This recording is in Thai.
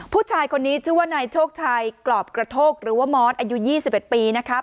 ผู้ชายคนนี้ชื่อว่านายโชคชัยกรอบกระโทกหรือว่ามอสอายุ๒๑ปีนะครับ